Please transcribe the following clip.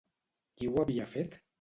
Qui ho havia fet?